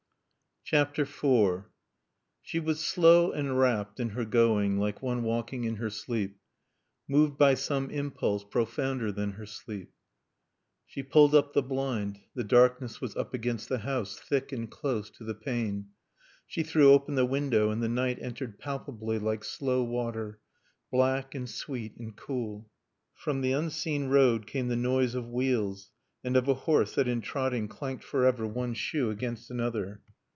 IV She was slow and rapt in her going like one walking in her sleep, moved by some impulse profounder than her sleep. She pulled up the blind. The darkness was up against the house, thick and close to the pane. She threw open the window, and the night entered palpably like slow water, black and sweet and cool. From the unseen road came the noise of wheels and of a horse that in trotting clanked forever one shoe against another.